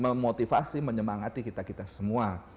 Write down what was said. memotivasi menyemangati kita kita semua